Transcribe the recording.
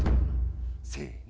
せの。